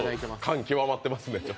感極まってますね。